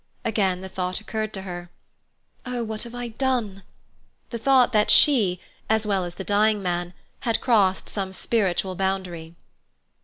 Again the thought occurred to her, "Oh, what have I done?"—the thought that she, as well as the dying man, had crossed some spiritual boundary.